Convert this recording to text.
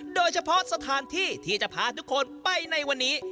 โดยเฉพาะสถานที่ที่จะพาทุกคนไปในวันนี้